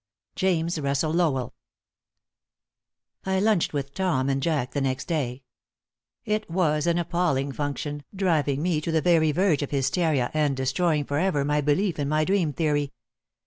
James Russell Lowell. I lunched with Tom and Jack the next day. It was an appalling function, driving me to the very verge of hysteria and destroying forever my belief in my dream theory.